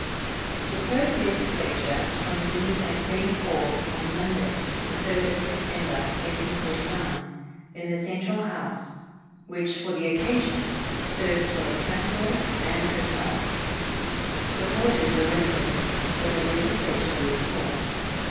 The first legislature convened at St. Paul on Monday, the 3d of September, 1849, in the Central House, which for the occasion served for both capitol and hotel. The quarters were limited, but the legislature was small.